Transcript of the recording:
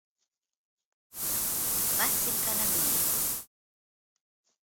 What’s It Gonna Be?!